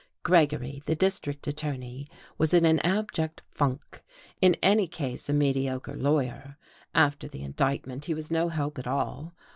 Gregory, the district attorney, was in an abject funk; in any case a mediocre lawyer, after the indictment he was no help at all.